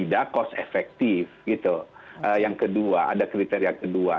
tidak cost efektif gitu yang kedua ada kriteria kedua